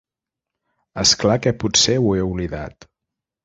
És clar que potser ho he oblidat.